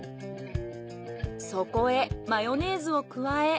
そこへマヨネーズを加え。